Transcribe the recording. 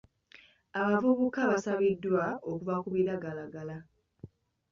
Abavubuka basabiddwa okuva ku biragalalagala.